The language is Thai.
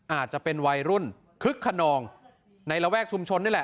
อาจจะเป็นวัยรุ่นคึกขนองในระแวกชุมชนนี่แหละ